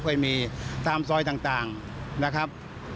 เคยมีตามซอยต่างนะครับ